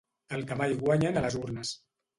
El que mai guanyen a les urnes.